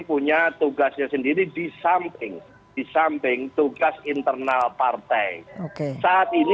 ketua dpp pdi perjuangan